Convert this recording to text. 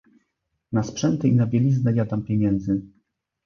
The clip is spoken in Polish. "Na sprzęty i na bieliznę ja dam pieniędzy..."